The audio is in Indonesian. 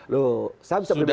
loh saya bisa berbeda beda